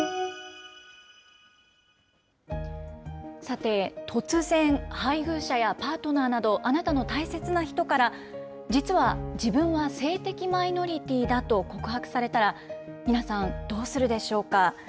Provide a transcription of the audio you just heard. さて、突然、配偶者やパートナーなど、あなたの大切な人から、実は自分は性的マイノリティーだと告白されたら、皆さん、どうするでしょうか。